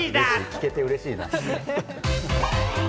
聞けてうれしいな。